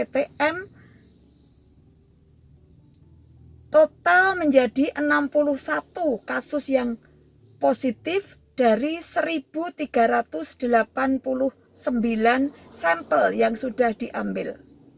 total menjadi enam puluh satu kasus yang positif dari satu tiga ratus delapan puluh sembilan sampel yang sudah diambil